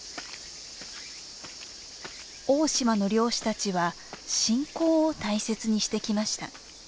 大島の漁師たちは信仰を大切にしてきました。